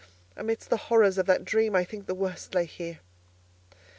Amidst the horrors of that dream I think the worst lay here.